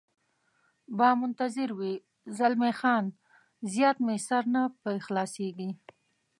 به منتظر وي، زلمی خان: زیات مې سر نه په خلاصېږي.